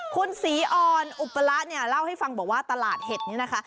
คุณศรีออนอุปละเนี่ยเล่าให้ฟังบอกว่าตลาดเห็ดนี้นะคะ